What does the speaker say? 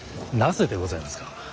なぜでございますか。